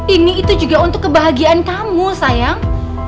ini itu juga untuk kebahagiaan kamu sayang